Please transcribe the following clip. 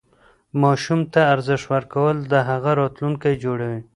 ماشوم ته ارزښت ورکول د هغه راتلونکی جوړوي.